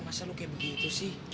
masa lo kayak begitu sih